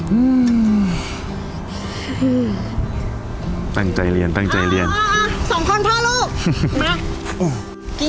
อืมตั้งใจเรียนตั้งใจเรียนอ่าสองคนพ่อลูกนะ